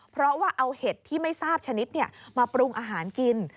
เพราะว่าเอาเห็ดที่ไม่ทราบชนิดมาปรุงอาหารกิน